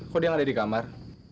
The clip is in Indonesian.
kok dia yang ada di kamar